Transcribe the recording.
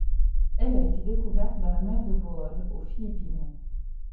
Elle a été découverte dans la mer de Bohol, aux Philippines.